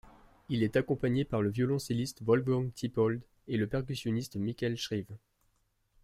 Il est accompagné par le violoncelliste Wolfgang Tiepold et le percussionniste Michael Shrieve.